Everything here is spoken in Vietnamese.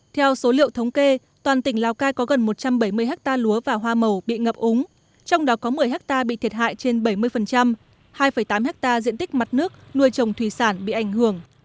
theo số liệu thống kê toàn tỉnh lào cai có gần một trăm bảy mươi ha lúa và hoa màu bị ngập úng trong đó có một mươi hectare bị thiệt hại trên bảy mươi hai tám hectare diện tích mặt nước nuôi trồng thủy sản bị ảnh hưởng